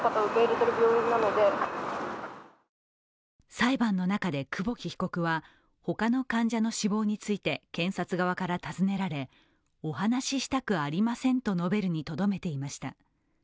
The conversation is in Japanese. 裁判の中で久保木被告は他の患者の死亡について検察側から尋ねられお話ししたくありませんと述べるにとどめていました。